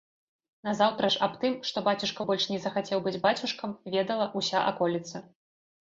Назаўтра ж аб тым, што бацюшка больш не захацеў быць бацюшкам, ведала ўся аколіца.